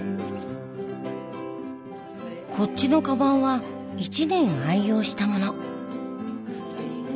こっちのかばんは１年愛用したもの。